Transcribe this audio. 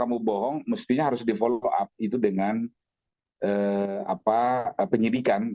mestinya harus di follow up dengan penyidikan